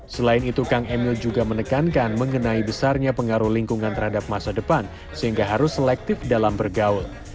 selain itu kang emil juga menekankan mengenai besarnya pengaruh lingkungan terhadap masa depan sehingga harus selektif dalam bergaul